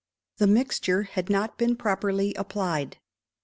The mixture had not been properly applied.